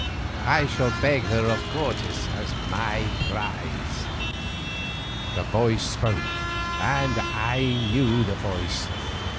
I shall beg her of Cortes as my prize." The voice spoke and I knew the voice.